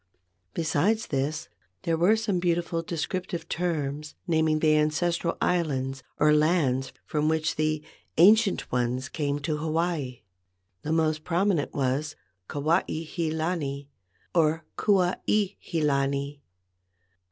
Besides this, there were some beautiful descriptive terms naming the ancestral islands or lands from which the "ancient ones came to Hawaii." The most prominent was Kuai he lani or Kua i he lani.